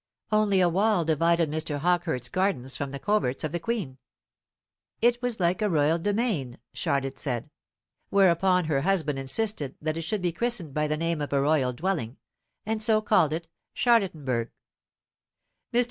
Only a wall divided Mr. Hawkehurst's gardens from the coverts of the Queen. It was like a royal demesne, Charlotte said; whereupon her husband insisted that it should be christened by the name of a royal dwelling, and so called it Charlottenburgh. Mr.